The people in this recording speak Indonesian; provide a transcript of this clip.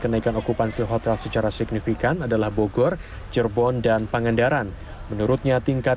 kenaikan okupansi hotel secara signifikan adalah bogor cirebon dan pangandaran menurutnya tingkat